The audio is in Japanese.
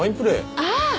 ああ！